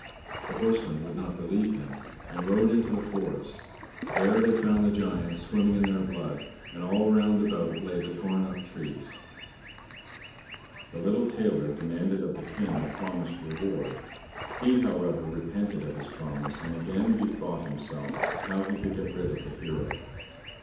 The horsemen would not believe him, and rode into the forest; there they found the giants swimming in their blood, and all round about lay the torn up trees. The little tailor demanded of the King the promised reward; he, however, repented of his promise, and again bethought himself how he could get rid of the hero.